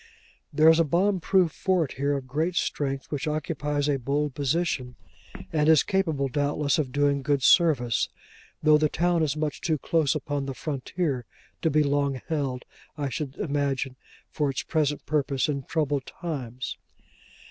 There is a bomb proof fort here of great strength, which occupies a bold position, and is capable, doubtless, of doing good service; though the town is much too close upon the frontier to be long held, I should imagine, for its present purpose in troubled times.